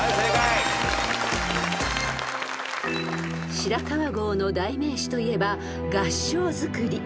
［白川郷の代名詞といえば合掌造り］